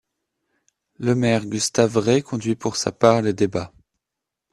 Le maire Gustav Rée conduit pour sa part les débats.